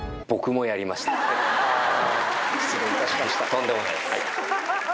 とんでもないです。